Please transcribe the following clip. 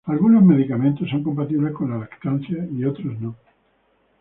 Algunos medicamentos son compatibles con la lactancia y otros no.